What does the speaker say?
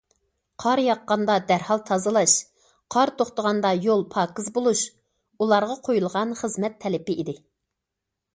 « قار ياغقاندا دەرھال تازىلاش، قار توختىغاندا يول پاكىز بولۇش» ئۇلارغا قويۇلغان خىزمەت تەلىپى ئىدى.